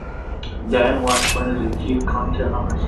Dan Washburn is the Chief Content Officer.